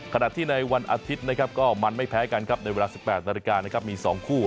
ขณะที่ในวันอาทิตย์ก็มันไม่แพ้กันในเวลา๑๘นมี๒คู่